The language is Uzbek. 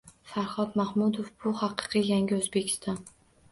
Farhod Mahmudov: bu haqiqiy yangi O‘zbekiston!